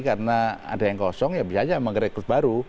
karena ada yang kosong ya bisa aja mengerekrut baru